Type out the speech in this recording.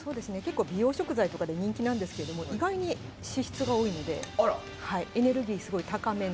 美容食材で人気なんですけど意外に脂質が多いのでエネルギーすごい高めな。